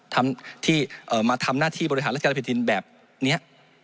ทำที่เอ่อมาทำหน้าภาพการรัฐการะดาลบิตดินแบบนี้